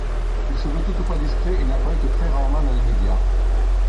Il se veut toutefois discret et n'apparaît que très rarement dans les médias.